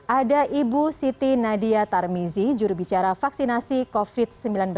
ada ibu siti nadia tarmizi jurubicara vaksinasi covid sembilan belas